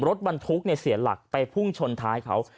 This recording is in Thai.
รถบรรทุกเสียหลักไปพุ่งชนท้ายเขา